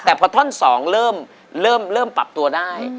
แต่พอท่อน๒เริ่มปรับตัวได้